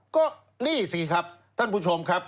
ก็นี่สิครับท่านผู้ชมครับ